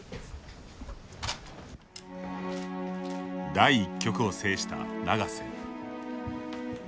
第１局を制した永瀬。